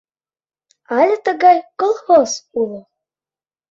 Але тыгай колхоз уло.